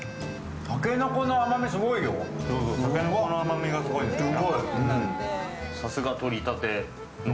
竹の子の甘みがすごいですね。